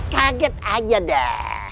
kaget aja dah